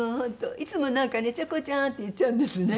いつもなんかね「チョコちゃん」って言っちゃうんですね。